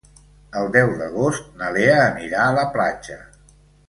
El deu d'agost na Lea anirà a la platja.